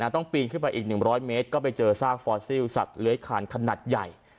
ปีนขึ้นไปอีก๑๐๐เมตรก็ไปเจอซากฟอสซิลสัตว์เลื้อยขานขนาดใหญ่